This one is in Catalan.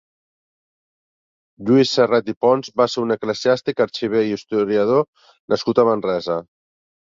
Lluís Sarret i Pons va ser un eclesiàstic, arxiver i historiador nascut a Manresa.